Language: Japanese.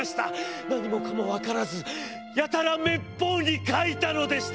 何もかもわからずやたら滅法に描いたのでした。